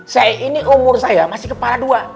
saya ini umur saya masih kepala dua